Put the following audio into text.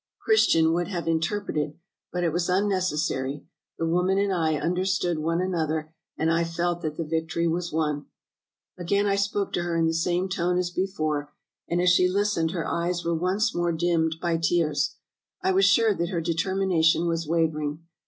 Christian would have interpreted, but it was unneces sary; the woman and I understood one another, and I felt that the victory was won. "Again I spoke to her in the same tone as before, and as she listened her eyes were once more dimmed by tears. I was sure that her determination was wavering.